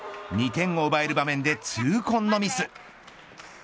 ２点を奪える場面で痛恨のミス。